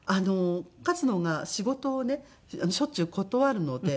勝野が仕事をねしょっちゅう断るので。